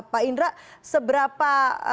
pak indra seberapa